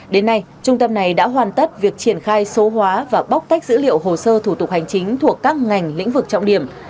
đến nay trung tâm này đã hoàn tất việc triển khai số hóa và bóc tách dữ liệu hồ sơ thủ tục hành chính thuộc các ngành lĩnh vực trọng điểm